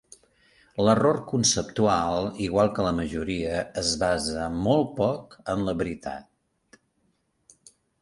L'error conceptual, igual que la majoria, es basa molt poc en la veritat.